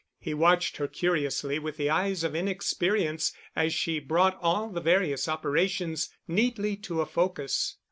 He watched her curiously with the eyes of inexperience as she brought all the various operations neatly to a focus.